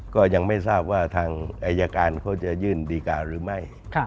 ก็ยังไม่ทราบว่าทางอายการเขาจะยื่นดีการหรือไม่